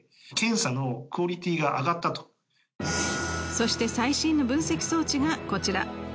そして最新の分析装置がこちら。